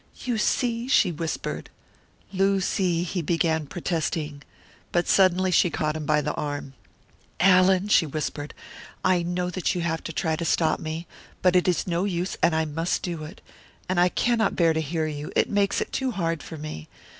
"You see!" she whispered. "Lucy," he began, protesting. But suddenly she caught him by the arm. "Allan," she whispered, "I know that you have to try to stop me. But it is no use, and I must do it! And I cannot bear to hear you it makes it too hard for me.